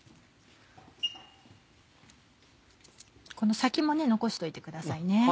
この先も残しといてください。